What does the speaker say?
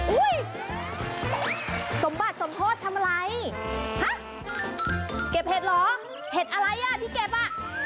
สมบัติสมโทษทำอะไรฮะเก็บเห็ดเหรอเห็ดอะไรอ่ะที่เก็บอ่ะ